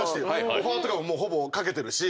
オファーとかもほぼかけてるし。